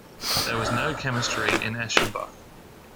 'There was no chemistry with Eschenbach.